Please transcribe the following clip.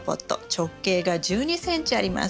直径が１２ｃｍあります。